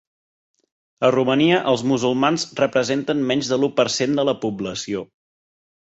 A Romania els musulmans representen menys de l’u per cent de la població.